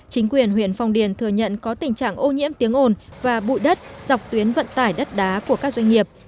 chính quyền huyện phong điền thừa nhận có tình trạng ô nhiễm tiếng ồn và bụi đất dọc tuyến vận tải đất đá của các doanh nghiệp